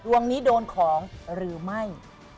วงนี้โดนของหรือไม่